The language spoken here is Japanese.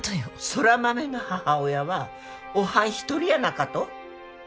空豆の母親はおはんひとりやなかと？